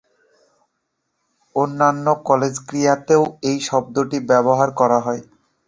অন্যান্য কলেজ ক্রীড়াতেও এই শব্দটি ব্যবহার করা হয়।